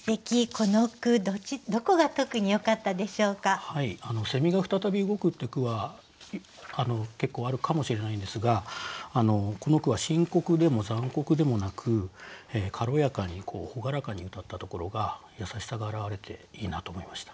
この句どこが特によかったでしょうか？が再び動くって句は結構あるかもしれないんですがこの句は深刻でも残酷でもなく軽やかに朗らかにうたったところが優しさが表れていいなと思いました。